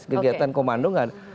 kegiatan komando nggak ada